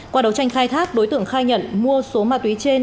qua đấu tranh khai thác đối tượng khai nhận mua số ma túy trên